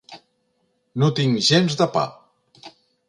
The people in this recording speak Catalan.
No tinc gens de pa.